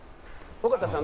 尾形さん